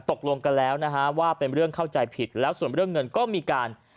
ตกลงกันแล้วนะฮะว่าเป็นเรื่องเข้าใจผิดแล้วส่วนเรื่องเงินก็มีการ